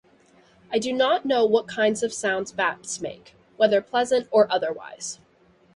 I do not know what kinds of sounds bats make, whether pleasant or otherwise.